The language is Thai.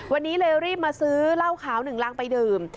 วันนี้เลยรีบมาซื้อเหล้าขาวหนึ่งรังไปดื่ม